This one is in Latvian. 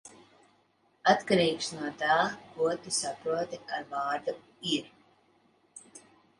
Atkarīgs no tā, ko tu saproti ar vārdu "ir".